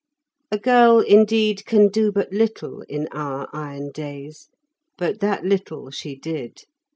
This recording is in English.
A girl, indeed, can do but little in our iron days, but that little she did.